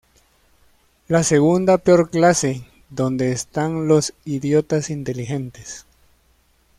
La segunda peor clase, donde están los ""idiotas inteligentes"".